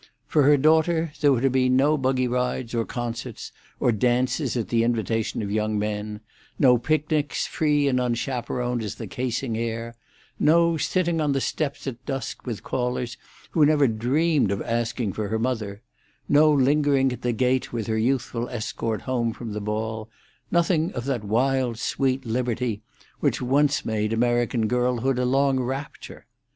For her daughter there were to be no buggy rides, or concerts, or dances at the invitation of young men; no picnics, free and unchaperoned as the casing air; no sitting on the steps at dusk with callers who never dreamed of asking for her mother; no lingering at the gate with her youthful escort home from the ball—nothing of that wild, sweet liberty which once made American girlhood a long rapture.